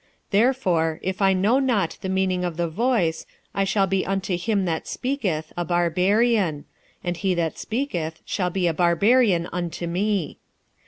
46:014:011 Therefore if I know not the meaning of the voice, I shall be unto him that speaketh a barbarian, and he that speaketh shall be a barbarian unto me.